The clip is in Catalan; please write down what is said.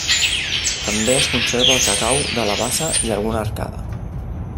També es conserva el cacau de la bassa i alguna arcada.